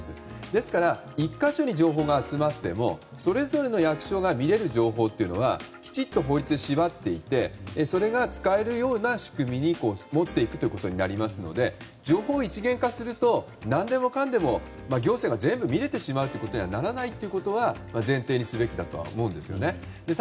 ですから、１か所に情報が集まってもそれぞれの役所が見れる情報っていうのはきちっと法律で縛っていてそれが使えるような仕組みに持っていくことになりますので情報を一元化すると何でもかんでも行政が全部見れてしまうことにはならないということは前提にすべきだとは思うんです。